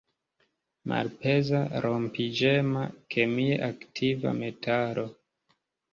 Malpeza, rompiĝema, kemie aktiva metalo.